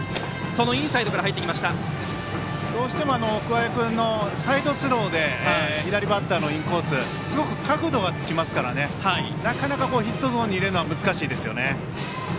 どうしても桑江君のサイドスローで左バッターのインコースすごく角度はつきますからなかなかヒットゾーンに入れるの難しいですよね。